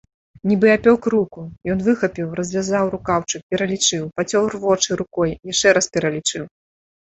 Нібы апёк руку, ён выхапіў, развязаў рукаўчык, пералічыў, пацёр вочы рукой, яшчэ раз пералічыў.